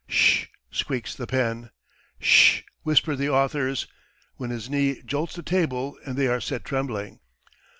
"Sh!" squeaks the pen. "Sh!" whisper the authors, when his knee jolts the table and they are set trembling.